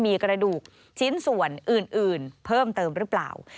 มีกระดูกชิ้นส่วนอื่นเพิ่มเติมหรือเปล่า